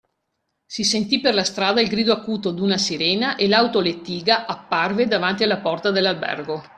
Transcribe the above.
Si sentí per la strada il grido acuto d’una sirena e l’autolettiga apparve davanti alla porta dell’albergo.